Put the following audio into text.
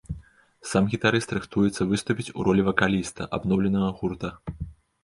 Сам гітарыст рыхтуецца выступіць у ролі вакаліста абноўленага гурта.